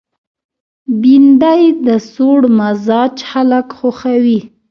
بېنډۍ د سوړ مزاج خلک خوښوي